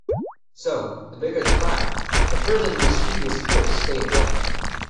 So, the bigger the fire, the further the mischievous spirits stayed away.